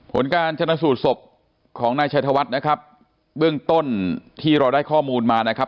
ผลการชนะสูตรศพของนายชัยธวัฒน์นะครับเบื้องต้นที่เราได้ข้อมูลมานะครับ